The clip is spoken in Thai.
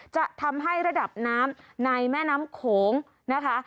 จะทำให้ระดับน้ำในแม่น้ำโขงนะคะ